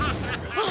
あっ！